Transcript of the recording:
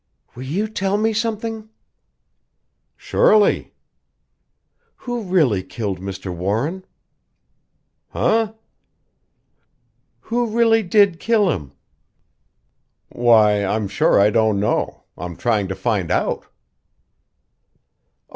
"Will you tell me something?" "Surely?" "Who really killed Mr. Warren?" "Eh?" "Who really did kill him?" "Why, I'm sure I don't know. I'm trying to find out."